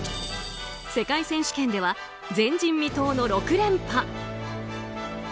世界選手権では前人未到の６連覇。